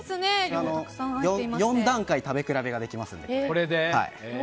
４段階食べ比べができますので。